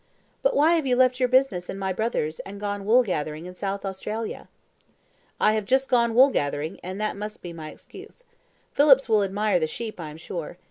"But why have you left your own business and my brother's, and gone wool gathering in South Australia?" "I have just gone wool gathering, and that must be my excuse. Phillips will admire the sheep, I am sure.